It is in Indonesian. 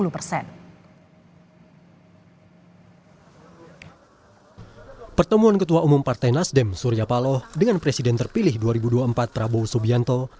pertemuan ketua umum partai nasdem surya paloh dengan presiden terpilih dua ribu dua puluh empat prabowo subianto